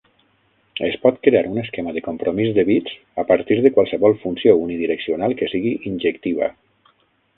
Es pot crear un esquema de compromís de bits a partir de qualsevol funció unidireccional que sigui injectiva.